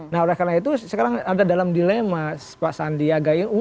nah karena itu sekarang ada dalam dilema pak sandi aga ini